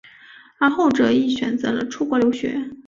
而后者亦选择了出国留学。